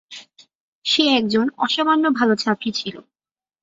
সে একজন অসামান্য ভাল ছাত্রী ছিল।